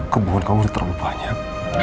kebohongan kamu terlalu banyak